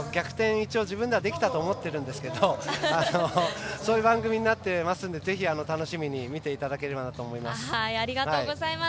一応、自分ではできたと思っているんですけどそういう番組になっていますのでぜひ、楽しみに見ていただければと思います。